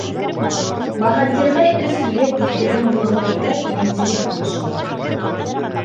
Баһадирҙай өс егет үҫтергән был ғаилә игенселек менән шөғөлләнә.